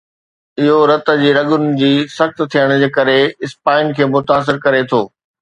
اهو رت جي رڳن جي سخت ٿيڻ جي ڪري اسپائن کي متاثر ڪري ٿو